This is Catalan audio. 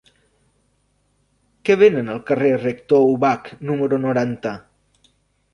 Què venen al carrer del Rector Ubach número noranta?